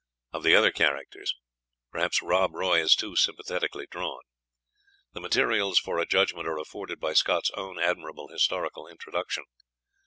Of the other characters, perhaps Rob Roy is too sympathetically drawn. The materials for a judgment are afforded by Scott's own admirable historical introduction.